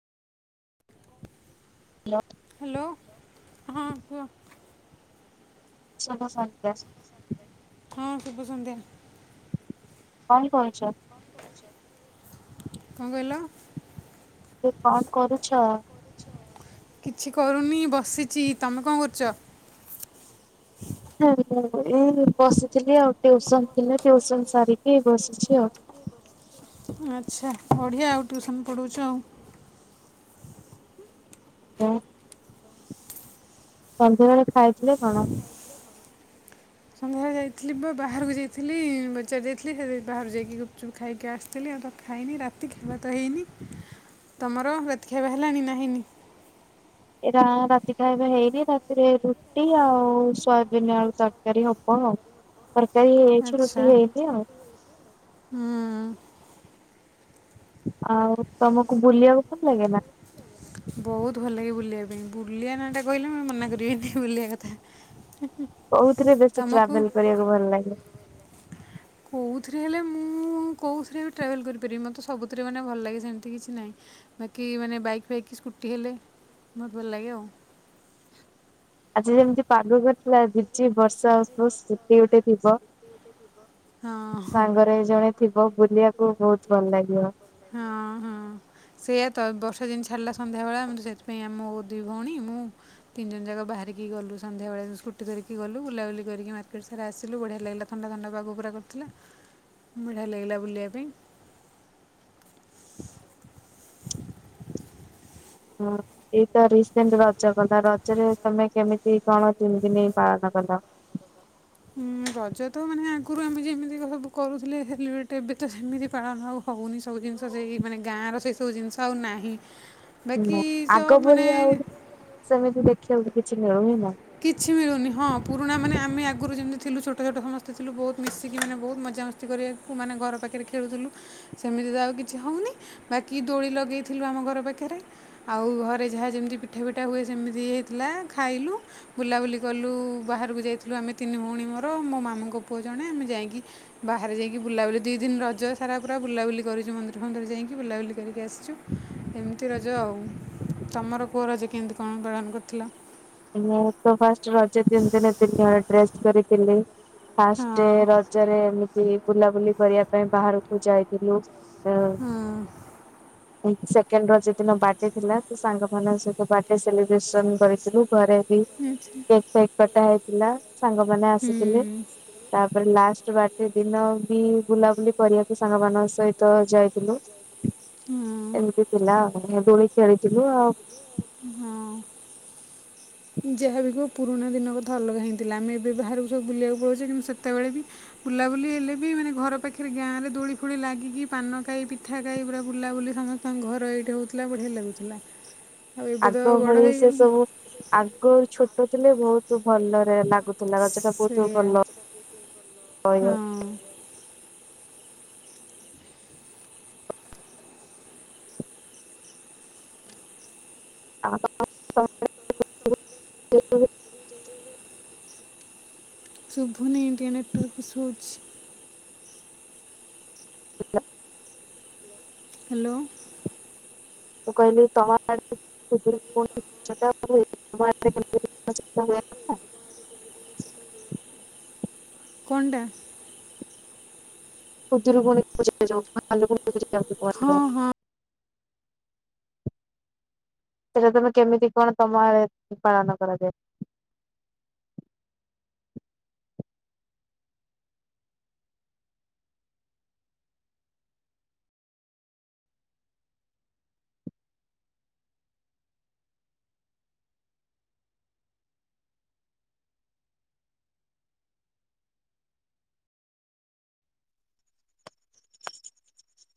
Hello hello ହଁ କୁହ? ସବ ସର୍ତ। ହଁ ସୁଭ ସନ୍ଧ୍ୟା। ଙ୍କ କରୁଚ? ଙ୍କ କହିଲ? ମୁ କହିଲି କଣ୍ କରୁଛ? କିଛି କରୁନି ବସିଛି ତମେ କଣ୍ କରୁଚ? ଏଇ ବସିଥିଲି ଆଉ ଟିଉସନ୍ ଥିଲା ଟିଉସନ୍ ସାରିକି ଏ ବସିଛି ଆଉ। ଆଚ୍ଛା ବଢ଼ିଆ ଆଉ ଟ୍ୟୁସନ୍ ପଢ଼ଉଛୁ ଆଉ। ଉଁ ସନ୍ଧ୍ୟାବେଳେ ଖାଇଥିଲେ କଣ? ଯହା ଯାଇଥିଲି ବା ବାହାରକୁ ଯାଇଥିଲି ବଜାର୍ ଯାଇଥିଲି ସେ ବାହାରକୁ ଯାଇକି ଗୁପ୍ ଚୁପ୍ ଖାଇକି ଆସ୍ଥିଲି ଆଉ ତାକୁ ଖାଇନି ରା ତି ଖାଇବା ତ ହେଇନି ତମର ରାତି ଖାଇବା ହେଲାଣି ନା ହେଇନି? ଏଇଟା ଆମ ରାତି ଖାଇବା ହେଇନି ରାତିରେ ରୁଟି ଆଉ ସୋୟାବିନି ଆଳୁ ତର୍କାରୀ ହବ ଆଉ। ତର୍କାରୀ ହେଇଛି ଆଚ୍ଛା ରୁଟି ହେଇନି ଆଉ। ହୁଁ। ଆଉ ତମକୁ ବୁଲିବାକୁ ଭଲ୍ ଲାଗେ ନା? ବହୁତ୍ ଭଲ ଲାଗେ ବୁଲିବା ପାଇଁ ବୁଲିବା ନାଟା କହିଲେ ମୁ ମନା କରିବିି ବୁଲିବା କଥା। କଉଥିରେ ବେଶୀ ତମକୁ ଟ୍ରାଭେଲ୍ କରିବାକୁ ଭଲ୍ ଲାଗେ? କେଉଁଥିରେ ହେଲେ ମୁଁ କଉଥିରେ ବି ଟ୍ରାଭେଲ୍ କରିପାରିବି ମୋତେ ସବୁଥିରେ ମାନେ ଭଲ୍ ଲାଗେ ସେମିତି କିଛି ନାହିଁ। ବାକି ମାନେ ବାଇକ୍ ଫାଇକ୍ କି ସ୍କୁଟି ହେଲେ ବହୁତ୍ ଭଲ୍ ଲାଗେ ଆଉ। ଆଜି ଯେମିତି ପାଗ କର୍ଥିଲା ଝିପ୍ ଝିପ୍ ବର୍ଷା ହଉ ହଁ ସ୍କୁଟି ଗୋଟେ ଥିବ ହଁ ସାଙ୍ଗରେ ଜଣେ ଥିବ ବୁଲିବା କୁ ବହୁତ୍ ଭଲ୍ ଲାଗିବ। ହଁ ହଁ। ସେଇୟା ତ ବର୍ଷା ଜିନି ଛାଡ଼୍ଲା ସନ୍ଧ୍ୟା ବେଳେ ସେଇଥିପାଇଁ ଆମକୁ ଦି ଭଉଣୀ ମୁଁ ତିନି ଜଣ ଜାକ ବାହାରିକି ଗଲୁ ସନ୍ଧ୍ୟାବେଳେ ସ୍କୁଟି ଧରିକି ଗଲୁ ବୁଲା ବୁଲି କରିକି ମାର୍କେଟ୍ ସାରା ଆସିଲୁ ବଢ଼ିଆ ଲାଗିଲା ଥଣ୍ଡା ଥଣ୍ଡା ପାାଗ ପୁରା କର୍ଥିଲା। ବଢ଼ିଆ ଲାଗିଲା ବୁଲିବା ପାଇଁ। ହୁଁ ଏଇତ ରିସେଣ୍ଟେ ରଜ ଗଲା ରଜରେ ତମେ କେମିତି କଣ କେମିତି ନେଇ ପାଳନ କଲ? ଉଁ ରଜ ତ ମାନେ ଆଗରୁ ଆମେ ଯେମିତିକା ସବୁ କରୁଥିଲେ ସେଲିବ୍ରେ ଏବେ ତ ସେମିତି ପାଳନ ଆଉ ହଉନି ସବୁ ଜିନ୍ଷ ସେଇ ମାନେ ଗାଁର ସେଇ ସବୁ ଜିନ୍ଷ ଆଉ ନାହିଁ। ନା ବାକି ତ ଆଗ ଭଳି ଆଉ ମାନେ ସେମିତି ଦେଖିବାକୁ କିଛି ମିଳୁନି ନା। କିଛି ମିଳୁନି ହଁ ପୁରୁଣା ମାନେ ଆମେ ଆଗରୁ ଯେମିତି ଥିଲୁ ଛୋଟ ଛୋଟ ସମସ୍ତେଥିଲୁ ବହୁତ୍ ମିଶିକି ମାନେ ବହୁତ୍ ମଜା ମ ତି କରିବାକୁ ମାନେ ଘର ପାଖରେ ଖେଳୁଥିଲୁ ସେମିତି ତ ଆଉ କିଛି ହଉନି ବାକି ଦୋଳି ଲଗେଇଥିଲୁ ଆମ ଘର ପାଖରେ। ଆଉ ଘରେ ଯାହା ଯେମିତି ପିଠା ପିଠା ହୁଏ ସେମିତି ହେଇଥିଲା ଖାଇଲୁ। ବୁଲାବୁଲି କଲୁ ବାହାରକୁ ଯାଇଥିଲୁ ଆମେ ତିନି ଭଉଣୀ ମୋର ମୋ ମାମୁଙ୍କ ପୁଅ ଜଣେ ଆମେ ଯାଇକି ବାହାରେ ଯାଇକି ବୁଲାବୁଲି ଦୁଇ ଦିନ ରଜ ସାରା ପୁରା ବୁଲାବୁଲି କରିଛୁ ମନ୍ଦିର ଫନ୍ଦିର ଯାଇକି ବୁଲାବୁଲି କରିକି ଆସିଛୁ। ଏମିତି ରଜ ଆଉ ତମର କଉ ରଜ କେମିତି କଣ ପାଳନ କରିଥିଲ। ମୁଁ ତ ଫାଷ୍ଟ ରଜ ତିନି ଦିନ ନୂଆ ଡ୍ରେସ୍ କରିଥିଲି ଫାଷ୍ଟ ହଁ ର ରଜରେ ଏମିତି ବୁଲାବୁଲି କରିବା ପାଇଁ ବାହାରକୁ ଯାଇଥିଲୁ। ହୁଁ। ସେକେଣ୍ଡ ରଜ ଦିନ ବାର୍ଡେ ଥିଲା ସେ ସାଙ୍ଗମାନଙ୍କ ସହିତ ବାର୍ଡେ ଲିବ୍ରେସନ ଘରେ ବି ଆଚ୍ଛା କେକ୍ ଫେକ୍ କଟା ଥିଲା ସାଙ୍ଗମାନେ ହୁଁ ଆସିଥିଲେ ତାପରେ ଲାଷ୍ଟ ବାର୍ଡେ ଦିନ ବି ବୁଲାବୁଲି କରିବାକୁ ସାଙ୍ଗମାନଙ୍କ ସହିତ ଯାଇଥିଲୁ। ହଁ ଏମିତି ଥିଲା ଆଉ ଦୋଳି ଖିଳିଥିଲୁ ଆଉ ହଁ। ଯାହାବି କୁହ ପୁରୁଣା ଦିନ କଥା ଅଲଗା ହେଇଥିଲା ଆମେ ଏବେ ବାହାରକୁ ସବୁ ବୁଲିବାକୁ ପଳଉଛେ କିନ୍ତୁ ସେତେବେଳେ ବି ବୁଲାବୁଲି ହେଲେ ବି ମାନେ ଘର ପାଖରେ ଗାଁରେ ଦୋଳି ଫୋଳି ଲାଗିକି ପାନ ଖାଇ ପିଠା ଖାଇ ପୁରା ବୁଲାବୁଲି ସମସ୍ତଙ୍କ ଘର ଏଇଠି ହେଉଥିଲା ବଢ଼ିଆ ଲାଗୁଥିଲା। ଆଉ ଏବେ ତ ଆଗ ବଡ଼ ଭଳି ସେ ହେଇଗଲି ସବୁ ଆଗରୁ ଛୋଟ ଥିଲେ ବହୁତ ଭଲରେ ଲାଗୁଥିଲା ରଜ ଟା ବହୁତ ସେଇଆ ଭଲ [inaudible] [unintelligible] ହଁ [unintelligible] [inaudible] ଶୁଭୁନି ଟିକେ ନେଟୱର୍କ ଇସୁ ହଉଛି। ହ୍ୟାଲୋ। ମୁଁ କହିଲି ତମ [unintelligible] କଣ୍ଡା ଖୁଦୁରୁକୁଣି ପୂଜା ଯଉ ଭାଲୁକୁଣି ପୂଜା [unintelligible] ହଁ, ହଁ। ସେଟା ତମେ କେମିତି କଣ ତମ ଆଡ଼େ ପାଳନ କରାଯାଏ।